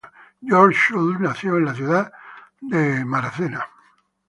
George Shultz nació en la ciudad de Nueva York.